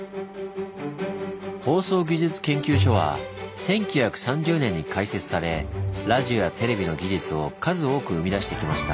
放送技術研究所は１９３０年に開設されラジオやテレビの技術を数多く生み出してきました。